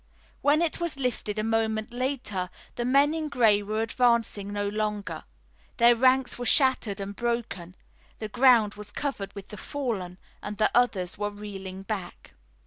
When it was lifted a moment later the men in gray were advancing no longer. Their ranks were shattered and broken, the ground was covered with the fallen and the others were reeling back.